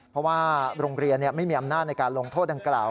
เพราะว่าโรงเรียนไม่มีอำนาจในการลงโทษดังกล่าว